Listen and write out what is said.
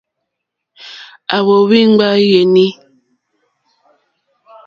À wóhwì ŋɡbá yùùní.